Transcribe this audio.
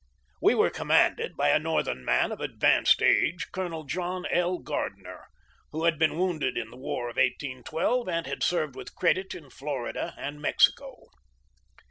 We were commanded by a Northern man of advanced age, Colonel John L. Gardner, who had been wounded in the war of 1812 and had served with credit in Florida and Mexico.